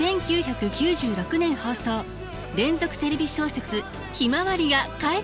１９９６年放送連続テレビ小説「ひまわり」が帰ってくる。